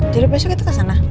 jadi besok kita kesana